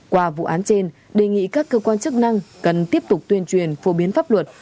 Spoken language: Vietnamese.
qua vụ án trên đề nghị các cơ quan chức năng cần tiếp tục tuyên truyền phổ biến pháp luật